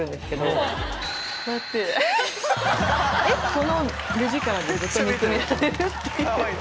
この目力でずっと見つめられるって。